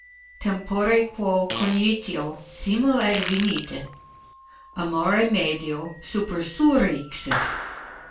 Tempore quo cognitio simul advenit, amor e medio supersurrexit.